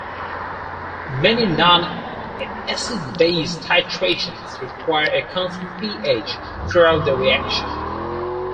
Many non-acid-base titrations require a constant pH throughout the reaction.